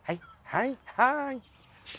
はいはーい！